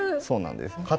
そうなんです。